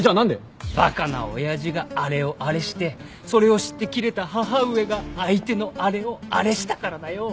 バカな親父があれをあれしてそれを知ってキレた母上が相手のあれをあれしたからだよ。